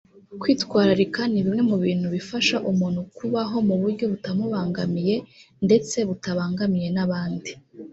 Kwitwararika ni bimwe mu bintu bifasha umuntu kubaho mu buryo butamubangamiye ndetse butabangamiye n’abandi